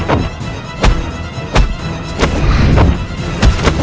aku akan menang